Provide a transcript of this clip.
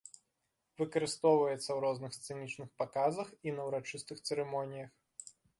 Выкарыстоўваецца ў розных сцэнічных паказах і на ўрачыстых цырымоніях.